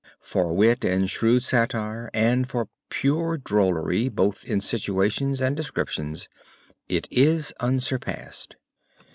For wit and shrewd satire and for pure drollery both in situations and descriptions, it is unsurpassed.